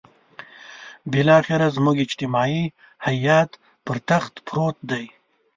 بالاخره زموږ اجتماعي حيات پر تخت پروت دی.